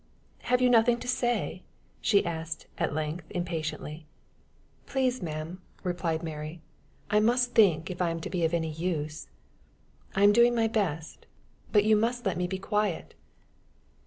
"Have you nothing to say?" she asked, at length, impatiently. "Please, ma'am," replied Mary, "I must think, if I am to be of any use. I am doing my best, but you must let me be quiet."